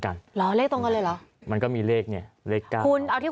เหรอเลขตรงกันเลยเหรอมันก็มีเลขเนี่ยเลขเก้าคุณเอาที่